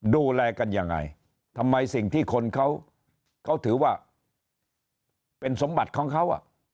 ดูแลกันยังไงทำไมสิ่งที่คนเขาถือว่าเป็นสมบัติของเขา